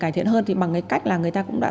cải thiện hơn thì bằng cái cách là người ta cũng đã